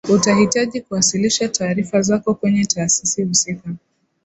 utahitaji kuwasilisha taarifa zako kwenye taasisi husika